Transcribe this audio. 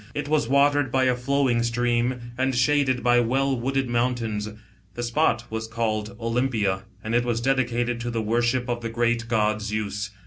It was watered by a flowing stream and shaded by well wooded mountains. The 'spot was called Olympia, and it was dedicated to the worship of the great god Zeus.